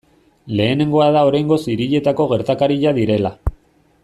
Lehenengoa da oraingoz hirietako gertakaria direla.